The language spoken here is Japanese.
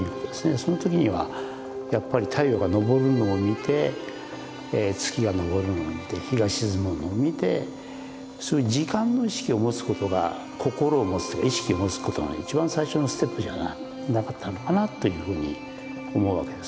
その時にはやっぱり太陽が昇るのを見て月が昇るのを見て日が沈むのを見てそういう時間の意識を持つことが心を持つというか意識を持つことの一番最初のステップじゃなかったのかなというふうに思うわけですよね。